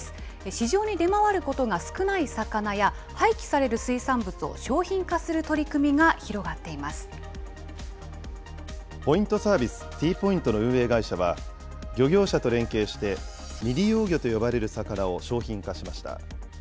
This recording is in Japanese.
市場に出回ることが少ない魚や廃棄される水産物を商品化する取りポイントサービス、Ｔポイントの運営会社は、漁業者と連携して、未利用魚と呼ばれる魚を商品化しました。